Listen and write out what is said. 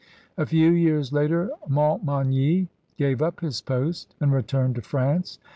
A few years later Montmagny gave up his post and returned to France.